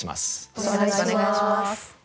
よろしくお願いします。